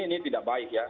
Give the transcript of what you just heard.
oke ini tidak baik ya